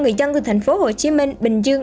người dân từ thành phố hồ chí minh bình dương